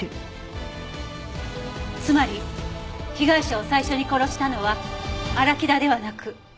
つまり被害者を最初に殺したのは荒木田ではなく。